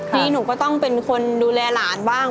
พี่หนูก็ต้องเป็นคนดูแลหลานบ้าง